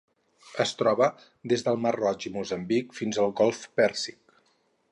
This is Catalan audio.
Es troba des del Mar Roig i Moçambic fins al Golf Pèrsic.